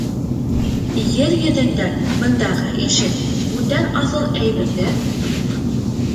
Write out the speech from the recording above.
Ер йөҙөндә бындағы ише бүтән аҫыл әйберҙәр юҡ.